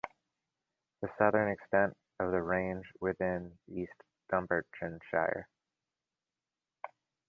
The southern extent of the range fall within East Dunbartonshire.